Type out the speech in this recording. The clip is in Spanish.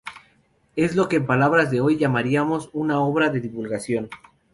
Es lo que en palabras de hoy llamaríamos una obra de divulgación.